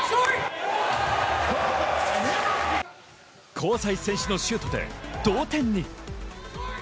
香西選手のシュートで同点に。